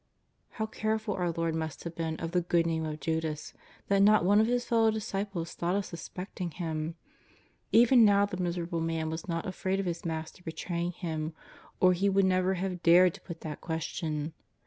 How careful our Lord must have been of the good name of Judas, that not one of his fellow disciples thought of suspecting him. Even now the miserable man was not afraid of his Master betraying him, or he would never have dared to put that question.